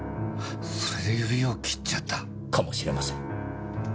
それで指を切っちゃった？かもしれません。